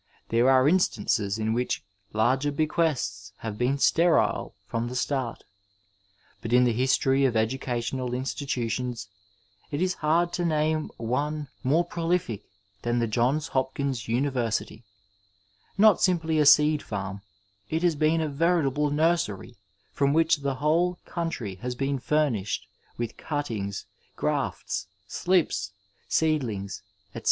There are instances in which larger bequests have been sterile from the start ; but in the history of educational institutions it is hard to name one mote proUfio than the 400 Digitized by VjOOQIC THE FIXED PERIOD Johns Hopkins Univeisity. Not simply a seed farm, it has been a veritable nursery from whiob the whole coun try has been furnished with cuttings, grafts, slips, sisedlings, etc.